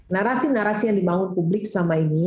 narasi narasi yang dibangun publik selama ini